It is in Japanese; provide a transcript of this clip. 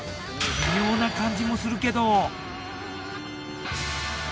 微妙な感じもするけど。